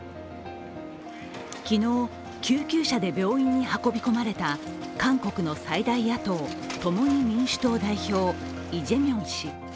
昨日、救急車で病院に運び込まれた韓国の最大野党共に民主党代表、イ・ジェミョン氏。